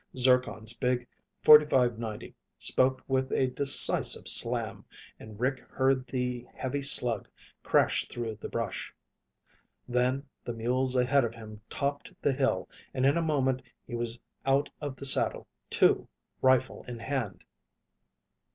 Zircon's big .45 90 spoke with a decisive slam and Rick heard the heavy slug crash through the brush. Then the mules ahead of him topped the hill and in a moment he was out of the saddle, too, rifle in hand.